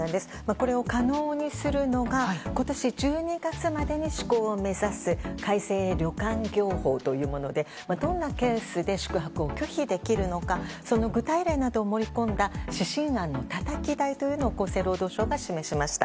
これを可能にするのが今年１２月までに施行を目指す改正旅館業法というものでどんなケースで宿泊を拒否できるのかその具体例などを盛り込んだ指針案のたたき台というのを厚生労働省が示しました。